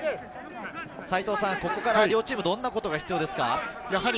ここから両チーム、どんなことが必要ですか？